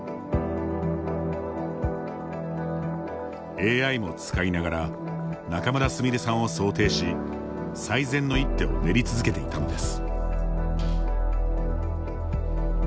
ＡＩも使いながら仲邑菫さんを想定し最善の一手を練り続けていたのです。